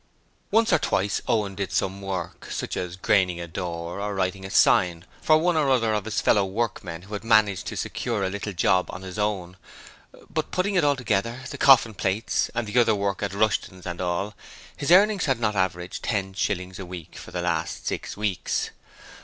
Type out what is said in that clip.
Once or twice Owen did some work such as graining a door or writing a sign for one or other of his fellow workmen who had managed to secure a little job 'on his own', but putting it all together, the coffin plates and other work at Rushton's and all, his earnings had not averaged ten shillings a week for the last six weeks.